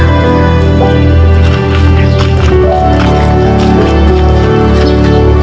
อย่าเพิ่งโทนนะอย่าเพิ่งโทน